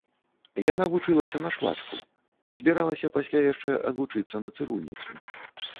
Яна вучылася на швачку, збіралася пасля яшчэ адвучыцца на цырульніцу.